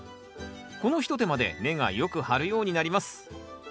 この一手間で根がよく張るようになります。